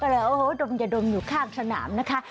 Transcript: เธอก็โดมเสียดมอยู่ข้างสนามนะคะ